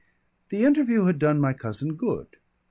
The interview had done my cousin good.